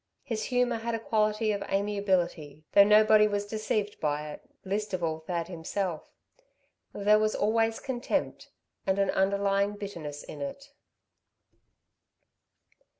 His humour had a quality of amiability, though nobody was deceived by it, least of all Thad himself. There was always contempt and an underlying bitterness in it.